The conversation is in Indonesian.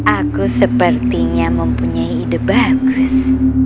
aku sepertinya mempunyai ide bagus